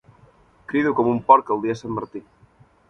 Crido com un porc el dia de sant Martí.